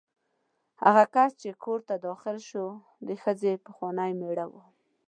هغه کس چې کور ته داخل شو د ښځې پخوانی مېړه و.